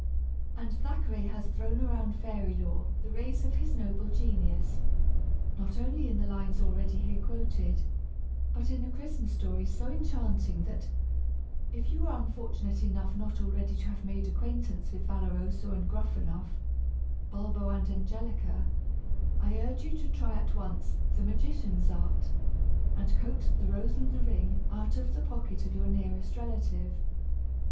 And Thackeray has thrown around fairy lore the rays of his noble genius, not only in the lines already here quoted, but in a Christmas story so enchanting that, if you are unfortunate enough not already to have made acquaintance with Valoroso and Gruffanuff, Bulbo and Angelica, I urge you to try at once the magician's art and coax "The Rose and the Ring" out of the pocket of your nearest relative.